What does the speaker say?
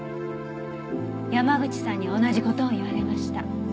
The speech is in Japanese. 山口さんに同じ事を言われました。